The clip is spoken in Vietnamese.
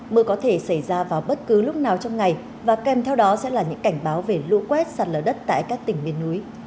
mưa có thể xảy ra vào bất cứ lúc nào trong ngày và kèm theo đó sẽ là những cảnh báo về lũ quét sạt lở đất tại các tỉnh miền núi